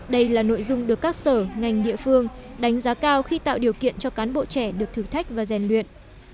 đây là nội dung được các sở ngành địa phương đánh giá cao khi tạo điều kiện cho cán bộ trẻ được thử thách và rèn luyện